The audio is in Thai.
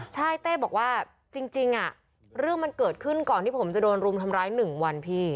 ใช่เต้บอกว่าจริงเรื่องมันเกิดขึ้นก่อนที่ผมจะโดนรุมทำร้าย๑วันพี่